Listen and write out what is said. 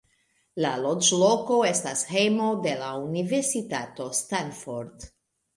La loĝloko estas hejmo de la Universitato Stanford.